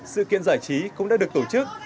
sự kiện giải trí cũng đã được tổ chức